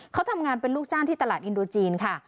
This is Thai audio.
เขาทำงานเป็นลูกจ้างที่ตลาดอินโดจีนค่ะ